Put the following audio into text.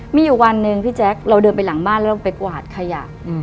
มีอยู่วันหนึ่งพี่แจ๊คเราเดินไปหลังบ้านแล้วเราไปกวาดขยะ